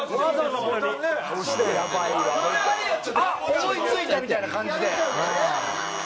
「あっ思い付いた！」みたいな感じで。